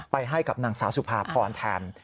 ให้กับนางสาวสุภาพรแทน